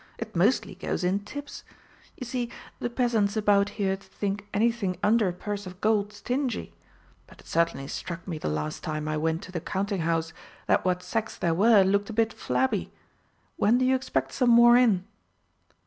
It mostly goes in tips. You see, the peasants about here think anything under a purse of gold stingy. But it certainly struck me the last time I went to the Counting house that what sacks there were looked a bit flabby. When do you expect some more in?"